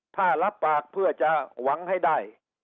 ถ้ารับปากเพื่อจะหวังให้ได้